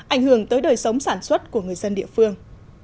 ảnh hưởng tới đời sống sản xuất của người dân địa phương